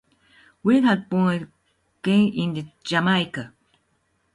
Hill was born and grew up in Jamaica.